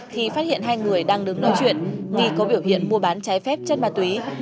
thì phát hiện hai người đang đứng nói chuyện nghi có biểu hiện mua bán trái phép chất ma túy